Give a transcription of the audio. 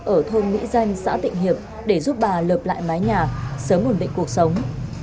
ở thôn mỹ danh xã tịnh hiệp để giúp bà lợp lại mái nhà sớm ổn định cuộc sống